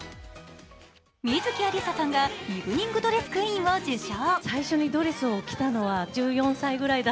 観月ありささんがイブニングドレスクイーンを受賞。